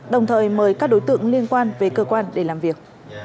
đồng thời mời các đối tượng liên quan về cơ quan để làm việc